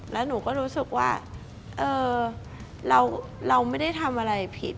แล้วหนูก็รู้สึกว่าเราไม่ได้ทำอะไรผิด